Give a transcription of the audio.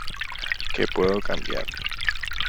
que puedo cambiar.